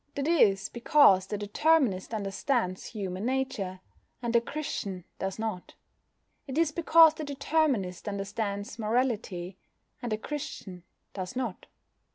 That is because the Determinist understands human nature, and the Christian does not. It is because the Determinist understands morality, and the Christian does not.